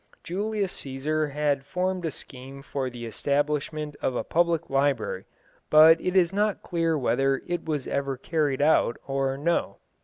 Julius Cæsar had formed a scheme for the establishment of a public library, but it is not clear whether it was ever carried out or no.